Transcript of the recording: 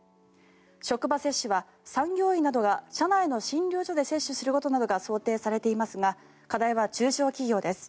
職場接種は産業医などが社内の診療所などで接種することが想定されていますが課題は中小企業です。